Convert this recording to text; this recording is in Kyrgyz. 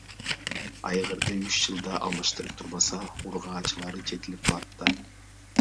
Айгырды үч жылда алмаштырып турбаса, ургаачылары жетилип калат да.